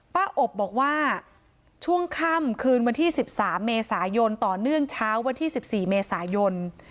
อบบอกว่าช่วงค่ำคืนวันที่๑๓เมษายนต่อเนื่องเช้าวันที่๑๔เมษายน